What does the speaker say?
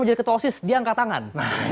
mau jadi ketua osis dia angkat tangan